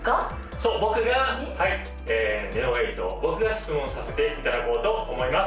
そう僕がはいＮＥＯ８僕が質問させていただこうと思います